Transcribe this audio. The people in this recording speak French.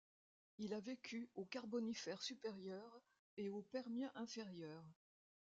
Il a vécu au Carbonifère supérieur et au Permien inférieur.